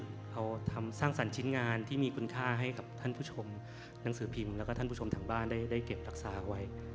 เราทำสร้างสรรค์ชิ้นงานที่มีคุณค่าให้กับท่านผู้ชมหนังสือพิมพ์แล้วก็ท่านผู้ชมทางบ้านได้เก็บรักษาไว้